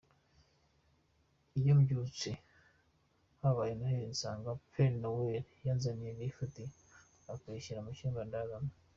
Iyo mbyutse habaye Noheli nsanga “Père Noël” yanzaniye “Gift”akayishyira mu cyumba ndaramo.